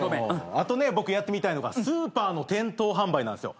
あとね僕やってみたいのがスーパーの店頭販売なんすよ。